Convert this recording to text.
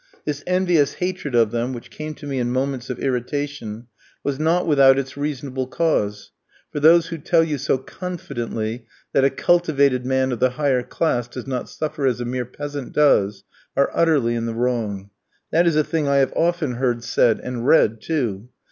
This envious hatred of them, which came to me in moments of irritation, was not without its reasonable cause, for those who tell you so confidently that a cultivated man of the higher class does not suffer as a mere peasant does, are utterly in the wrong. That is a thing I have often heard said, and read too.